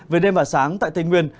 về đêm và sáng tại tây nguyên